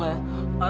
pokoknya nih bang